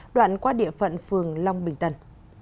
đoạn qua địa phận phường long bình tân